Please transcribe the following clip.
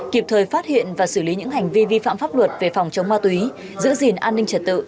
kịp thời phát hiện và xử lý những hành vi vi phạm pháp luật về phòng chống ma túy giữ gìn an ninh trật tự